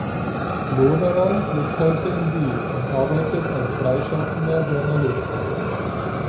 Loderer lebt heute in Biel und arbeitet als freischaffender Journalist.